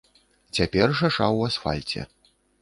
Цяпер шаша ў асфальце.